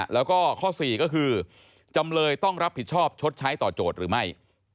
แล้วก็ข้อ๔ก็คือจำเลยต้องรับผิดชอบชดใช้ต่อโจทย์หรือไม่